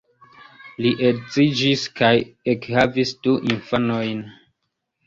Li edziĝis kaj ekhavis du infanojn.